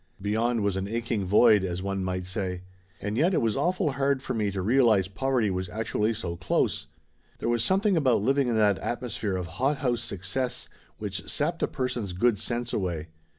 Beyond was an aching void, as one might say. And yet it was awful hard for me to rea lize poverty was actually so close. There was some thing about living in that atmosphere of hothouse suc cess which sapped a person's good sense away.